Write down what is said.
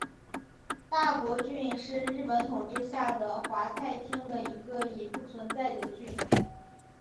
大泊郡是日本统治下的桦太厅的一个已不存在的郡。